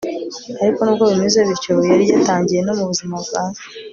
ariko nubwo bimeze bityo, yari yatangiye no mubuzima bwa se